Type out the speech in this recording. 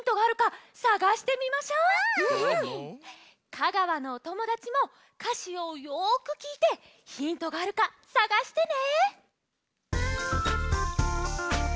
香川のおともだちもかしをよくきいてヒントがあるかさがしてね！